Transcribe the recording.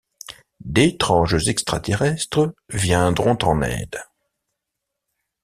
D'étranges extra-terrestres viendront en aide.